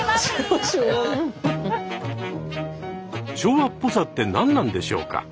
昭和っぽさって何なんでしょうか？